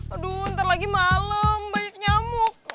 aduh ntar lagi malam banyak nyamuk